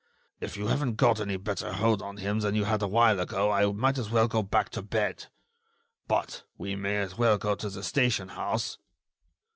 "If you haven't got any better hold on him than you had a while ago, I might as well go back to bed. But we may as well go to the station house."